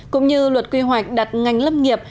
cũng như luật quy hoạch đặt ngành lâm nghiệp